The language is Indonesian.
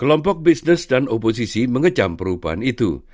kelompok bisnis dan oposisi mengecam perubahan itu